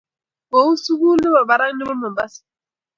Kou sukul nepo barak nepo Mombasa